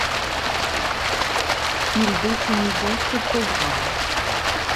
Il définit donc le programme.